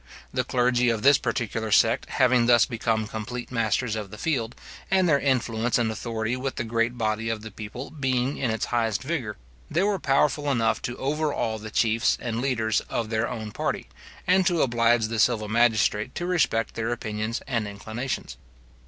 The clergy of this particular sect having thus become complete masters of the field, and their influence and authority with the great body of the people being in its highest vigour, they were powerful enough to overawe the chiefs and leaders of their own party, and to oblige the civil magistrate to respect their opinions and inclinations.